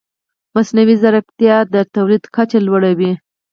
مصنوعي ځیرکتیا د تولید کچه لوړه وي.